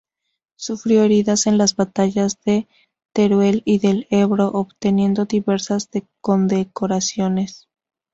Sufrió heridas en las batallas de Teruel y del Ebro, obteniendo diversas condecoraciones.